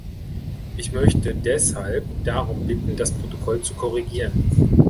Ich möchte deshalb darum bitten, das Protokoll zu korrigieren.